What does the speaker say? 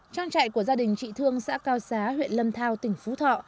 trang trại của gia đình chị thương xã cao xá huyện lâm thao tỉnh phú thọ